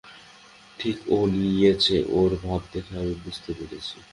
ঠিক ও নিয়েচে-ওর ভাব দেখে আমি বুঝতে পেরেছি।